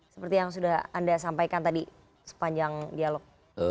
seperti yang sudah anda sampaikan tadi sepanjang dialog